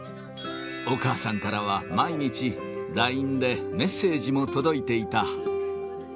お母さんからは毎日、ＬＩＮＥでメッセージも届いていた。